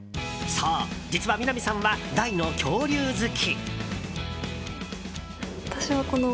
そう、実は南さんは大の恐竜好き。